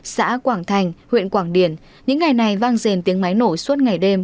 xã quảng thành huyện quảng điển những ngày này vang rền tiếng máy nổi suốt ngày đêm